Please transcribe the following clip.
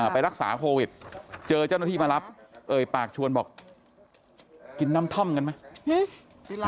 ไปรักษาโควิดเจอเจ้าหน้าที่มารับเอ่ยปากชวนบอกกินน้ำท่อมกันไหม